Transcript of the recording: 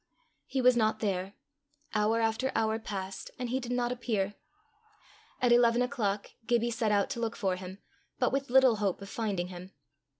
He was not there. Hour after hour passed, and he did not appear. At eleven o'clock, Gibbie set out to look for him, but with little hope of finding him.